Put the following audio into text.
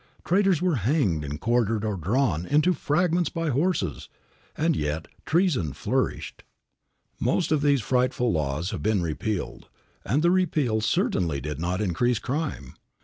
Traitors were hanged and quartered or drawn into fragments by horses; and yet treason flourished. Most of these frightful laws have been repealed, and the repeal certainly did not increase crime.